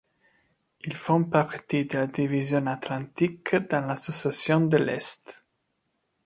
Ils font partie de la division Atlantique dans l'association de l'Est.